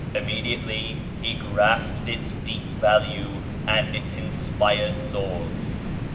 Immediately he grasped its deep value and its inspired source.